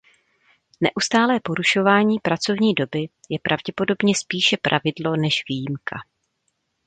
Neustálé porušování pracovní doby je pravděpodobně spíše pravidlo než výjimka.